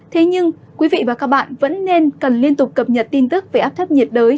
thế nhưng quý vị và các bạn vẫn nên cần liên tục cập nhật tin tức về áp thấp nhiệt đới